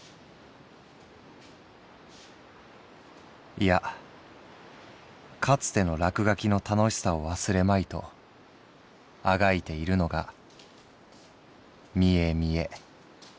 「いやかつての落描きの楽しさを忘れまいとあがいているのが見え見え」。